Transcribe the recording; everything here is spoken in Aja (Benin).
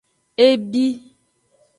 E bi.